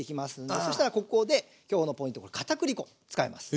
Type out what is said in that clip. そしたらここで今日のポイントかたくり粉使います。